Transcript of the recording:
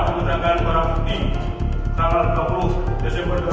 memusahkan para bukti tanggal dua puluh desember dua ribu dua puluh dua